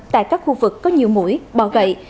tại các khu vực có nhiều mũi bỏ gậy